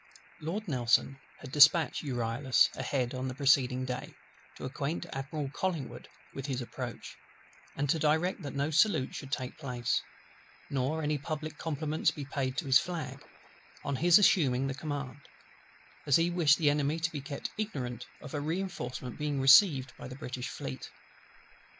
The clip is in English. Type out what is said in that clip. Lord NELSON had dispatched the Euryalus ahead on the preceding day, to acquaint Admiral COLLINGWOOD with his approach; and to direct that no salute should take place, nor any public compliments be paid to his flag, on his assuming the command, as he wished the Enemy to be kept ignorant of a reinforcement being received by the British Fleet.